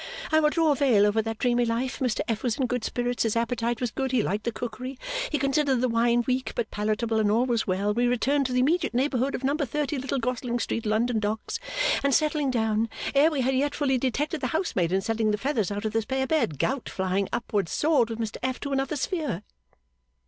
'I will draw a veil over that dreamy life, Mr F. was in good spirits his appetite was good he liked the cookery he considered the wine weak but palatable and all was well, we returned to the immediate neighbourhood of Number Thirty Little Gosling Street London Docks and settled down, ere we had yet fully detected the housemaid in selling the feathers out of the spare bed Gout flying upwards soared with Mr F. to another sphere.